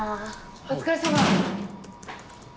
お疲れさま。